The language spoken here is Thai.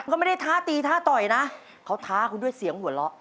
ก็ไม่ได้ท้าตีท้าต่อยนะเขาท้าคุณด้วยเสียงหัวเราะ